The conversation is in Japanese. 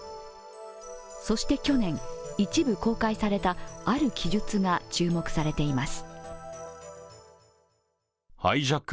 そして去年、一部公開された、ある記述が注目されています。